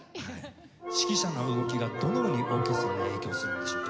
指揮者の動きがどのようにオーケストラに影響するのでしょうか？